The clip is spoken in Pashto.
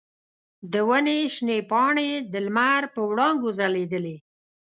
د ونې شنې پاڼې د لمر په وړانګو ځلیدلې.